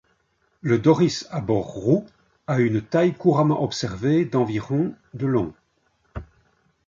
Le Doris à bord roux a une taille couramment observée d'environ de long.